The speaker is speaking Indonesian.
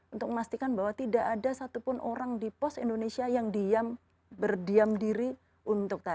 untuk memastikan bahwa tidak ada satupun orang di pos indonesia yang diam berdiam diri untuk tadi